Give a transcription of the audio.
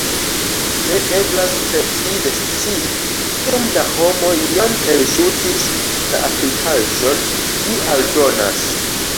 Ne eblas precize scii, kiom da homoj jam elŝutis la aplikaĵon, li aldonas.